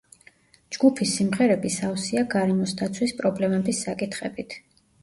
ჯგუფის სიმღერები სავსეა გარემოს დაცვის პრობლემების საკითხებით.